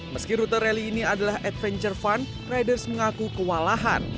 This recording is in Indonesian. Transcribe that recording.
meski rute rally ini adalah adventure fun riders mengaku kewalahan